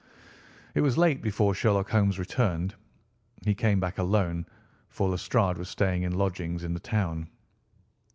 It was late before Sherlock Holmes returned. He came back alone, for Lestrade was staying in lodgings in the town.